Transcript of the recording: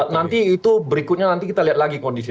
nanti itu berikutnya nanti kita lihat lagi kondisi